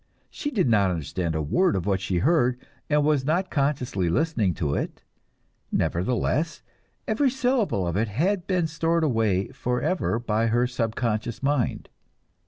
She did not understand a word of what she heard, and was not consciously listening to it; nevertheless, every syllable of it had been stored away forever by her subconscious mind.